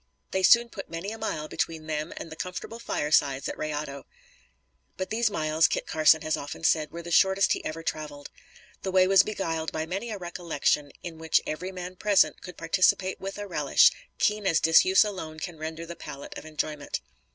They soon put many a mile between them and the comfortable firesides at Rayado. But these miles, Kit Carson has often said, were the shortest he ever traveled. The way was beguiled by many a recollection in which every man present could participate with a relish, keen as disuse alone can render the palate of enjoyment.